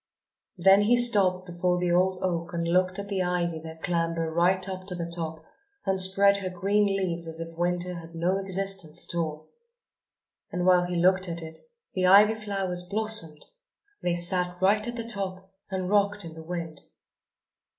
Then he stopped before the old oak and looked at the ivy that clambered right up to the top and spread her green leaves as if Winter had no existence at all. And while he looked at it the ivy flowers blossomed! They sat right at the top and rocked in the wind!